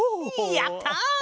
やった！